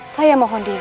saya mohon diri